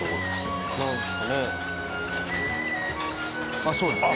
あっそうだよね。